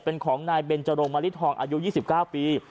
เป็นของนายเบนจรงมะลิทองอายุ๒๙ปี